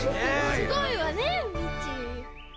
すごいわねミチ。